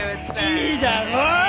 いいだろう？